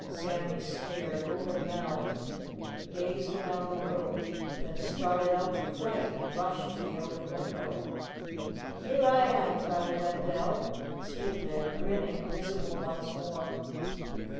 Sammy stared open mouthed. He gazed around the room, then started up in fright and rushed to the open window. "Here I am," cried Wendell, and stood there grinning, visible once more.